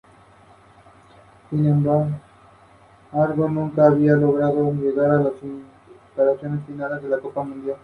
El escritor se adhiere moralmente al coraje con que los hombres enfrentan la vida.